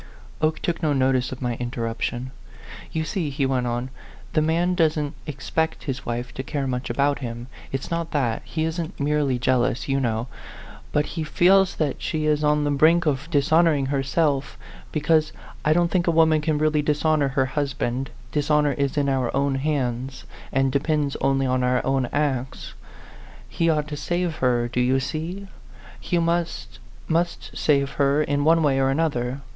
Oke took no notice of my interruption. " You see," he went on, " the man doesn't expect his wife to care much about him. It's not that; he isn't merely jealous, you know. But he feels that she is on the brink of dishonoring herself because I don't think a woman can really dishonor her hus band ; dishonor is in our own hands, and depends only on our own acts. He ought to save her, do you see ? He must, must save her in one way or another.